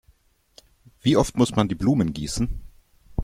Wie oft muss man die Blumen gießen?